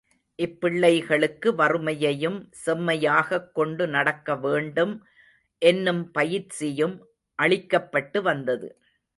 இப்பிள்ளைகளுக்கு வறுமையையும் செம்மையாகக் கொண்டு நடக்கவேண்டும் என்னும் பயிற்சியும் அளிக்கப்பட்டு வந்தது.